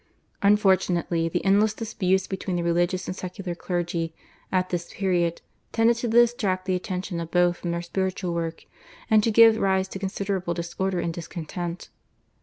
Unfortunately the endless disputes between the religious and secular clergy at this period tended to distract the attention of both from their spiritual work, and to give rise to considerable disorder and discontent.